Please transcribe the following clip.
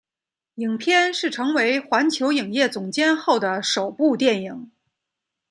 影片是成为环球影业总监后的首部电影。